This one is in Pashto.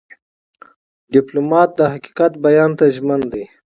ډيپلومات د حقیقت بیان ته ژمن دی.